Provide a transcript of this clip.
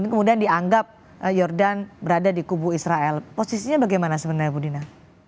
kemudian dianggap jordan berada di kubu israel posisinya bagaimana sebenarnya bu dina